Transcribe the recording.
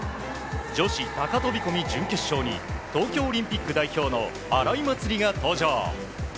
女子高飛込準決勝に東京オリンピック代表の荒井祭里が登場。